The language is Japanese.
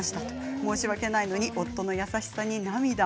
申し訳ないのに夫の優しさに涙。